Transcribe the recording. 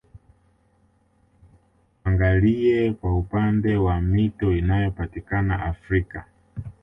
Tuangalie kwa upande wa mito inayopatikana Afrika